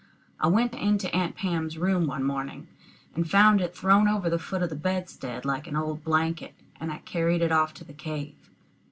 I went into Aunt Pam's room one morning, and found it thrown over the foot of the bedstead, like an old blanket, and I carried it off to the cave.